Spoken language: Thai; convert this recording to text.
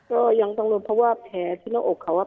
ก็ยังต้องดูครับเพราะว่าแผลที่นอกอกเขาอะ